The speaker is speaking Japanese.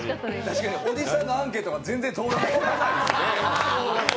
確かに、おじさんのアンケートは全然通らなかったです。